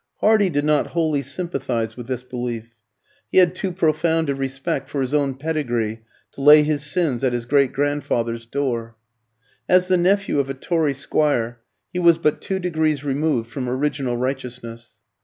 Hardy did not wholly sympathise with this belief. He had too profound a respect for his own pedigree to lay his sins at his great grandfather's door. As the nephew of a Tory squire, he was but two degrees removed from original righteousness.